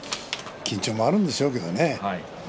緊張もあるんでしょうけどね。